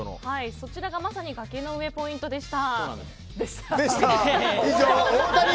そちらがまさに崖の上ポイントでした。